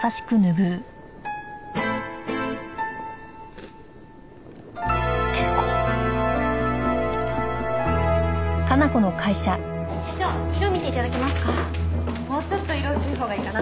うーんもうちょっと色薄いほうがいいかな。